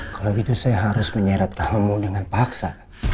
kalau gitu saya harus menyeret kamu dengan paksa